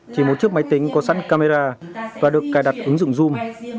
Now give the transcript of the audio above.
chỉ một chiếc máy tính có sẵn camera và được cài đặt ứng dụng zoom